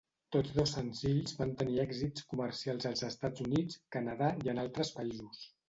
Tots dos senzills van tenir èxits comercials als Estats Units, Canadà i en altres països.